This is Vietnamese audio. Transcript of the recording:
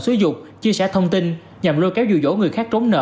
xúi dục chia sẻ thông tin nhằm lôi kéo dù dỗ người khác trốn nợ